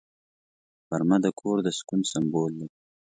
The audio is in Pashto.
غرمه د کور د سکون سمبول دی